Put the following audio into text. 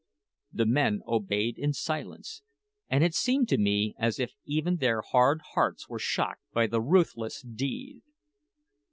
The men obeyed in silence, and it seemed to me as if even their hard hearts were shocked by the ruthless deed.